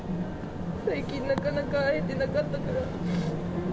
最近なかなか会えてなかったから。